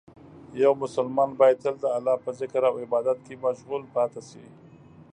یو مسلمان باید تل د الله په ذکر او عبادت کې مشغول پاتې شي.